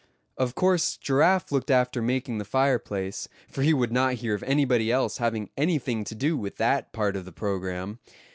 Of course Giraffe looked after making the fireplace, for he would not hear of anybody else having anything to do with that part of the programme.